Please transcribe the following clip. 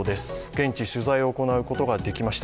現地取材を行うことができました。